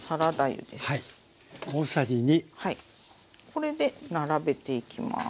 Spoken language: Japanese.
これで並べていきます。